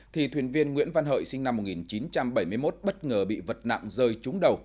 thì thuyền viên nguyễn văn hợi sinh năm một nghìn chín trăm bảy mươi một bất ngờ bị vật nặng rơi trúng đầu